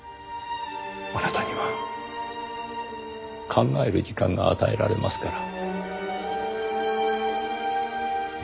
あなたには考える時間が与えられますから。